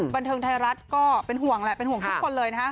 บันเทิงไทยรัฐก็เป็นห่วงแหละเป็นห่วงทุกคนเลยนะฮะ